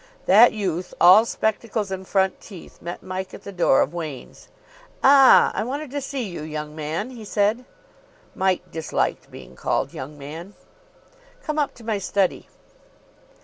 That youth, all spectacles and front teeth, met Mike at the door of Wain's. "Ah, I wanted to see you, young man," he said. (Mike disliked being called "young man.") "Come up to my study."